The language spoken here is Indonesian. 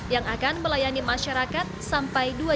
yang akan melayani masyarakat sampai dua januari dua ribu sembilan belas